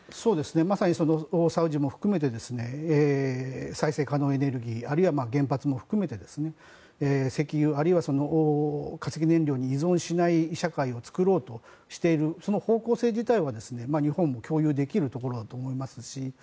まさにサウジも含めて再生可能エネルギーあるいは原発も含めて石油あるいは化石燃料に依存しない社会を作ろうとしているその方向性自体は日本も共有できるところだと思いますし。